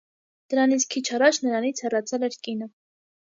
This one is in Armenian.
Դրանից քիչ առաջ նրանից հեռացել էր կինը։